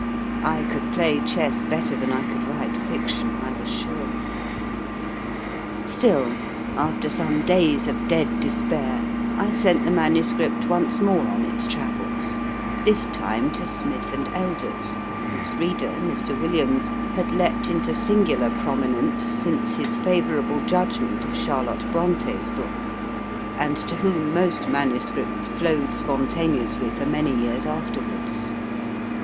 I could play chess better than I could write fiction, I was sure. Still, after some days of dead despair, I sent the MS. once more on its travels this time to Smith & Elder s, whose reader, Mr. Williams, had leapt into singular prominence since his favourable judgment of Charlotte Bronte s book, and to whom most MSS. flowed spontaneously for many years afterwards.